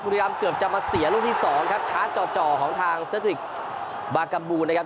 บุรีรัมป์เกือบจะมาเสียรุ่นที่สองครับช้าเจาะเจาะของทางเซตริกบากกะบูนนะครับ